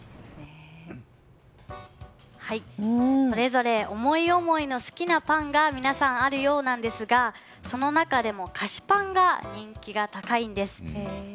それぞれ思い思いの好きなパンが皆さん、あるようなんですがその中でも菓子パンが人気が高いんです。